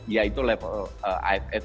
yaitu level aff